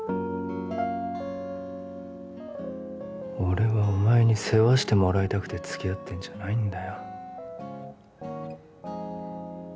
俺はお前に世話してもらいたくてつきあってんじゃないんだよ